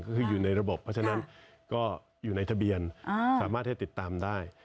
ก็คืออยู่ในระบบเพราะฉะนั้นก็อยู่ในทะเบียนสามารถให้ติดตามได้